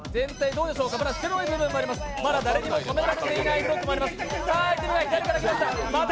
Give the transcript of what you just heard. まだ誰にも染められていないブロックもあります。